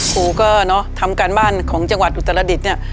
ครูก็เนอะทำการบ้านของจังหวัดอุตรดิษฐ์เนี่ย